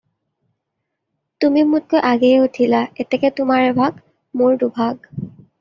তুমি মোতকৈ আগেয়ে উঠিলা, এতেকে তোমাৰ এভাগ মোৰ দুভাগ।